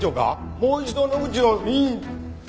もう一度野口を任意。